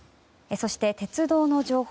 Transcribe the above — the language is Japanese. そして鉄道の情報